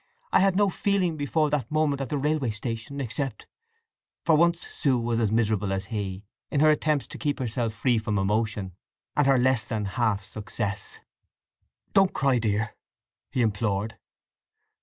I had no feeling before that moment at the railway station, except—" For once Sue was as miserable as he, in her attempts to keep herself free from emotion, and her less than half success. "Don't cry, dear!" he implored.